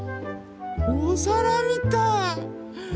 おさらみたい！